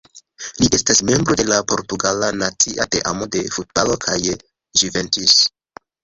Li estas membro de la portugala nacia teamo de futbalo kaj Juventus.